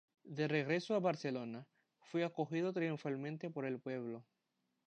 De regreso a Barcelona, fue acogido triunfalmente por el pueblo.